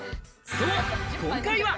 そう今回は。